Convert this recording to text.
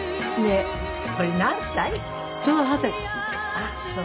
あっそう。